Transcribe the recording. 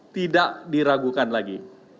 tidak diragukan lagi